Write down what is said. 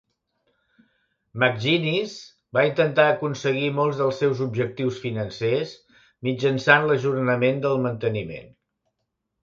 McGinnis va intentar aconseguir molts dels seus objectius financers mitjançant l'ajornament del manteniment.